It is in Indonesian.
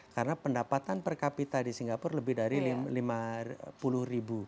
karena pendapatan per kapita di singapura lebih dari lima puluh ribu usd